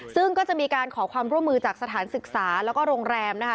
ซึ่งก็จะมีการขอความร่วมมือจากสถานศึกษาแล้วก็โรงแรมนะคะ